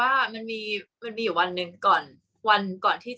กากตัวทำอะไรบ้างอยู่ตรงนี้คนเดียว